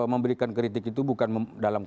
semua tahun saya jauh ber jubsomething disernamis